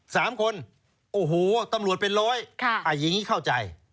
สามคนโอ้โหตำรวจเป็นร้อยค่ะอ่าอย่างงี้เข้าใจ